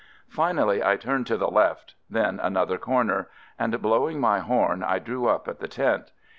Finally, I turned to the left — then another corner, — and blowing my horn I drew up at the tent.